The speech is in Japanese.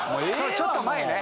ちょっと前ね。